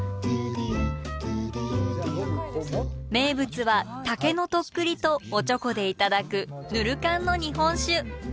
名物は竹のとっくりとおちょこで頂くぬる燗の日本酒。